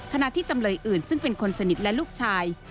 ที่จำเลยอื่นซึ่งเป็นคนสนิทและลูกชาย